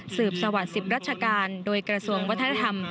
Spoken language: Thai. สวัสดิ์๑๐ราชการโดยกระทรวงวัฒนธรรม